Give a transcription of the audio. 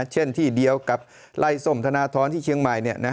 เช่นที่เดียวกับไล่ส้มธนทรที่เชียงใหม่